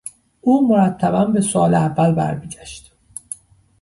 او مرتبا به سئوال اول برمیگشت.